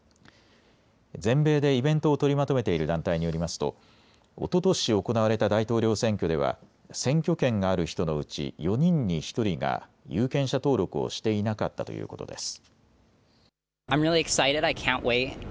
全米でイベントを取りまとめている団体によりますとおととし行われた大統領選挙では選挙権がある人のうち４人に１人が有権者登録をしていなかったということです。